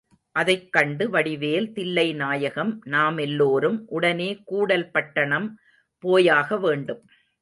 அதைக் கண்டு வடிவேல் தில்லைநாயகம், நாமெல்லோரும் உடனே கூடல் பட்டணம் போயாக வேண்டும்.